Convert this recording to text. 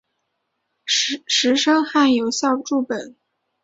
石声汉有校注本。